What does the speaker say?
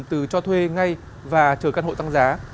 từ cho thuê ngay và chờ căn hộ tăng giá